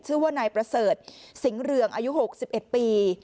ชื่อว่านายประเสริฐสิงห์เรืองอายุ๖๑ปี